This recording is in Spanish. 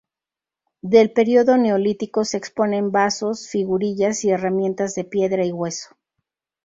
Del periodo neolítico se exponen vasos, figurillas y herramientas de piedra y hueso.